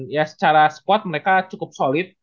ya secara squad mereka cukup solid